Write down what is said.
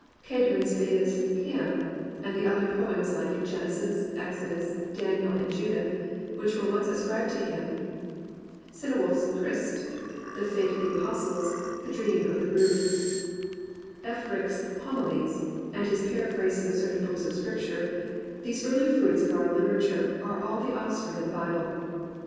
Csedmon's famous "Hymn" and the other poems like "Genesis," "Exodus," "Daniel," and "Judith," which were once ascribed to him; Cynewulf's "Crist," "The Fates of the Apostles," "The Dream of the Rood"; iElfric's "HomiUes" and his paraphrases of certain books of Scripture — these early fruits of our litera ture are all the offspring of the Bible.